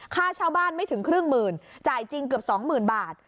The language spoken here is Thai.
ค่าเช่าบ้านไม่ถึงครึ่งหมื่นจ่ายจริงเกือบ๒๐๐๐บาท